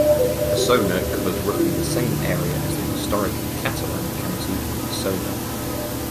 Osona covers roughly the same area as the historic Catalan county of Osona.